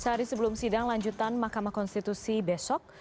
sehari sebelum sidang lanjutan mahkamah konstitusi besok